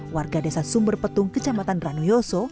warga desa sumberpetung kecamatan ranuyoso